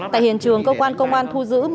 tại hiện trường cơ quan công an thu giữ